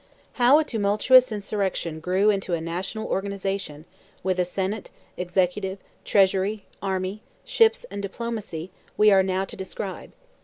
How a tumultuous insurrection grew into a national organization, with a senate, executive, treasury, army, ships, and diplomacy, we are now to describe.